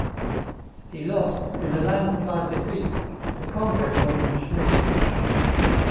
He lost in a landslide defeat to Congresswoman Schmidt.